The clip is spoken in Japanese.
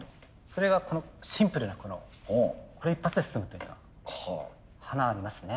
それがこのシンプルなこれ一発で済むっていうのは華ありますね。